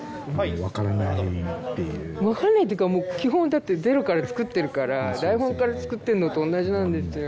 分からないっていう分かんないというかもう基本だってゼロから作ってるから台本から作ってんのとおんなじなんですよ